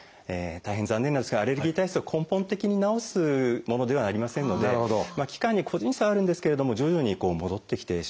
大変残念なんですがアレルギー体質を根本的に治すものではありませんので期間に個人差はあるんですけれども徐々に戻ってきてしまうんですね。